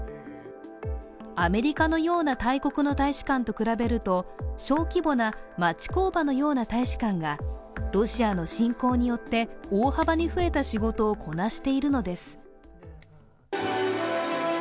アメリカのような大国の大使館と比べると小規模な町工場のような大使館がロシアの侵攻によって大幅に増えた仕事をこなしているのです。